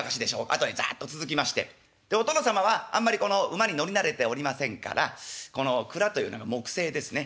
あとへざっと続きましてお殿様はあんまりこの馬に乗り慣れておりませんからこの鞍というのが木製ですね。